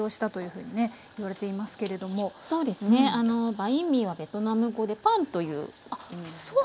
バインミーはベトナム語でパンという意味ですので。